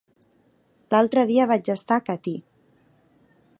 L'altre dia vaig estar a Catí.